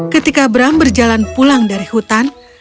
ketika bram berjalan pulang dari hutan